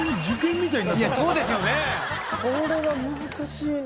これは難しいな。